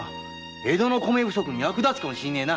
江戸の米不足に役立つかもしれねえな。